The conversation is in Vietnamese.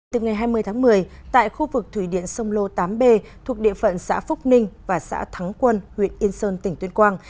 từ ngày hai mươi tháng một mươi tại khu vực thủy điện sông lô tám b thuộc địa phận xã phúc ninh và xã thắng quân huyện yên sơn tỉnh tuyên quang